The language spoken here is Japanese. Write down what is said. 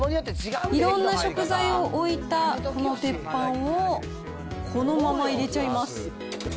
いろんな食材を置いたこの鉄板をこのまま入れちゃいます。